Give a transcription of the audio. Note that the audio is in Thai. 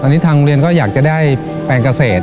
ตอนนี้ทางโรงเรียนก็อยากจะได้แปลงเกษตร